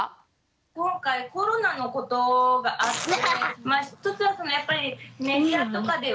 今回コロナのことがあってまあ１つはそのやっぱりメディアとかでは。